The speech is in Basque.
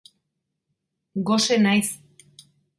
Gose naiz.